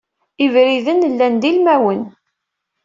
Ibriden llan d ilmawen.